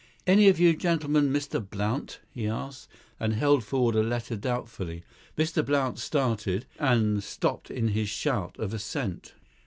"Any of you gentlemen Mr. Blount?" he asked, and held forward a letter doubtfully. Mr. Blount started, and stopped in his shout of assent.